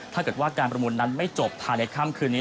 ถ้าเกิดว่าการประมูลนั้นไม่จบภายในค่ำคืนนี้